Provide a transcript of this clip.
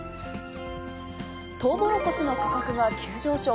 トウモロコシの価格が急上昇。